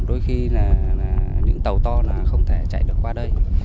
đôi khi là những tàu to là không thể chạy được qua đây